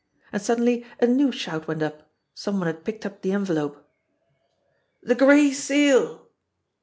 And suddenly a new shout went up. Some one had picked up the envelope ! "The Gray Seal!"